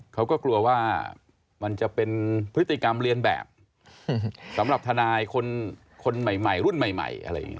เขาก็กลัวว่ามันจะเป็นพฤติกรรมเรียนแบบสำหรับทนายคนใหม่รุ่นใหม่อะไรอย่างนี้